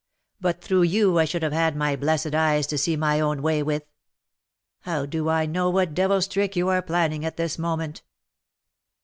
But through you I should have had my blessed eyes to see my own way with. How do I know what devil's trick you are planning at this moment?"